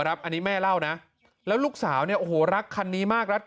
อันนี้แม่เล่านะแล้วลูกสาวเนี่ยโอ้โหรักคันนี้มากรัก